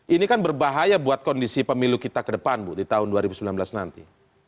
ini kan berbahaya buat kondisi pemilu kita ke depan bu di tahun dua ribu sembilan belas nanti